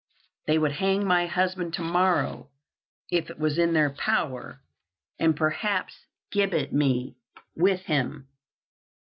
They would hang my husband to morrow if it was in their power, and perhaps gibbet me with him.